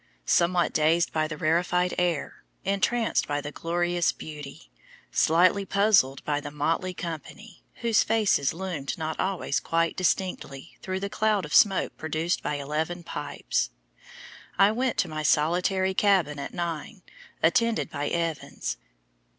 Somewhat dazed by the rarefied air, entranced by the glorious beauty, slightly puzzled by the motley company, whose faces loomed not always quite distinctly through the cloud of smoke produced by eleven pipes, I went to my solitary cabin at nine, attended by Evans.